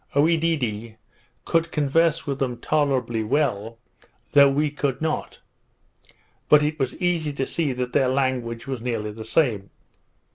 Oedidee could converse with them tolerably well, though we could not; but it was easy to see that their language was nearly the same.